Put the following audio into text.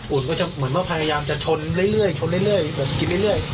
ก็จะเหมือนว่าพยายามจะชนเรื่อยชนเรื่อยแบบกินเรื่อย